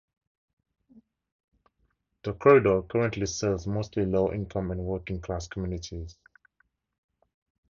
The corridor currently serves mostly low-income and working-class communities.